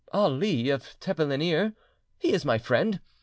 "Ali of Tepelenir. He is my friend.